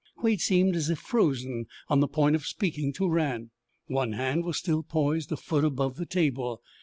Quade seemed as if frozen on the point of speaking to Rann. One hand was still poised a foot above the table.